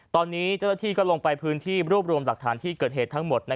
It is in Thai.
ตอนนี้เจ้าหน้าที่ก็ลงไปพื้นที่รวบรวมหลักฐานที่เกิดเหตุทั้งหมด